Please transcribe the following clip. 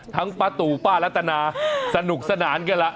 ป้าตู่ป้ารัตนาสนุกสนานกันล่ะ